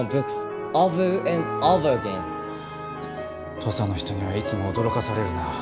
土佐の人にはいつも驚かされるな。